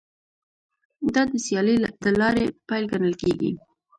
دا د سیالۍ د لارې پیل ګڼل کیږي